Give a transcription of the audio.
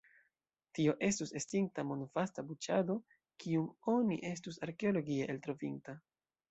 Tio estus estinta mondvasta buĉado, kiun oni estus arkeologie eltrovinta.